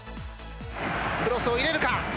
クロスを入れるか？